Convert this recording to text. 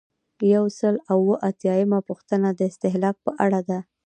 یو سل او اووه اتیایمه پوښتنه د استهلاک په اړه ده.